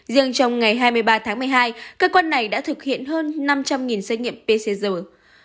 riêng trong ngày hai mươi ba tháng một mươi hai cơ quan này đã thực hiện hơn năm trăm linh xét nghiệm pcr